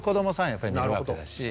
やっぱり見るわけだし。